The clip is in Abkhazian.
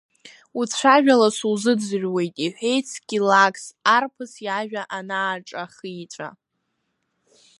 Уцәажәала сузыӡырҩуеит, — иҳәеит Скилакс, арԥыс иажәа анааҿахиҵәа.